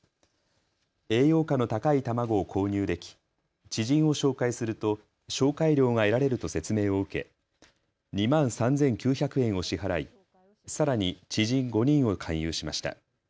栄養価の高い卵を購入でき知人を紹介すると紹介料が得られると説明を受け２万３９００円を支払いさらに知人５人を勧誘しました。